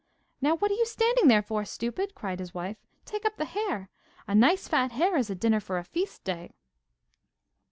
'Now what are you standing there for, stupid?' cried his wife. 'Take up the hare. A nice fat hare is a dinner for a feast day.